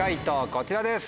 こちらです。